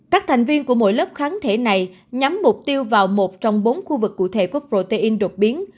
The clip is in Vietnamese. các thành viên của mỗi lớp kháng thể này nhắm mục tiêu vào một trong bốn khu vực cụ thể của protein đột biến